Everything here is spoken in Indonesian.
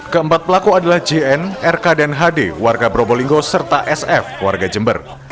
keempat pelaku adalah jn rk dan hd warga probolinggo serta sf warga jember